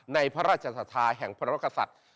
พระราชศรัทธาแห่งพระรกษัตริย์